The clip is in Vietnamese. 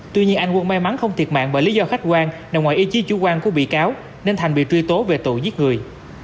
tuy nhiên anh quân may mắn không thiệt mạng bởi lý do khách quan nằm ngoài ý chí chủ quan của bị cáo nên thành bị truy tố về tội giết người